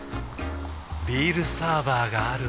ビールサーバーがある夏。